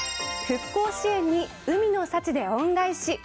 復興支援に海の幸で恩返し。